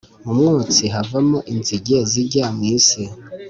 Mu mwotsi havamo inzige zijya mu isi